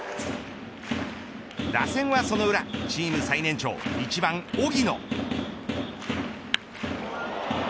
打線はその裏チーム最年長、１番荻野。